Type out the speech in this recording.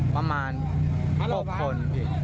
ประมาณ๖คน